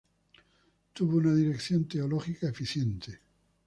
Tuvo una dirección teológica eficiente.